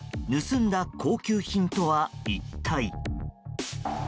盗んだ高級品とは一体。